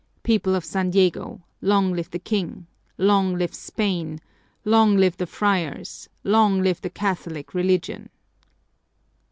People of San Diego, long live the King! Long live Spain! Long live the friars! Long live the Catholic Religion!"